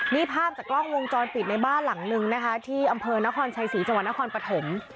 นี่ภาพจากกล้องวงจรปิดในบ้านหลังนึงนะคะที่อำเภอนครชัยศรีจังหวัดนครปฐม